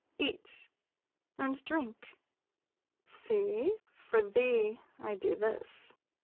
Eat and drink. See, for thee I do this."